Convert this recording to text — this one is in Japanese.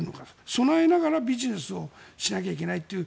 備えながらビジネスをしなきゃいけないという。